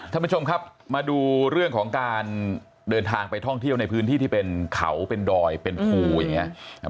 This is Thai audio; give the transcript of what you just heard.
ท่านผู้ชมครับมาดูเรื่องของการเดินทางไปท่องเที่ยวในพื้นที่ที่เป็นเขาเป็นดอยเป็นภูอย่างนี้